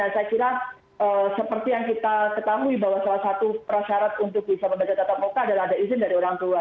saya kira seperti yang kita ketahui bahwa salah satu prasyarat untuk bisa menjaga tatap muka adalah ada izin dari orang tua